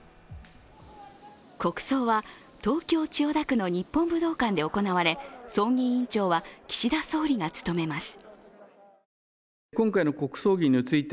国葬は東京・千代田区の日本武道館で行われ、葬儀委員長は岸田総理が務めます。